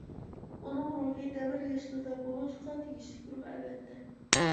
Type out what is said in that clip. ئۇنىڭ روھى دەۋر ياشلىرىدا بولۇشقا تېگىشلىك روھ ئەلۋەتتە!